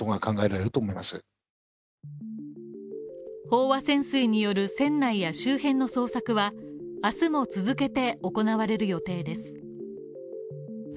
飽和潜水による船内や周辺の捜索は明日も続けて行われる予定です。